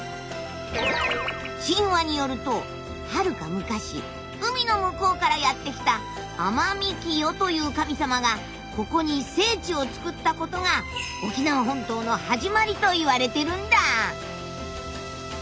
神話によるとはるか昔海の向こうからやって来たアマミキヨという神様がここに聖地をつくったことが沖縄本島のはじまりといわれてるんだ。